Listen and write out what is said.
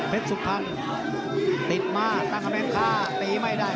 เผ็ดสุภัณฑ์ติดมาตั้งคำเองค่าตีไม่ได้